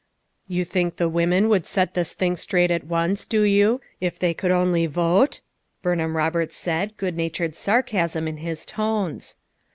"You think the women would set this thing straight at once, do you, if they could only vote!" Burnham Eoberts said, good natured sarcasm in his tones.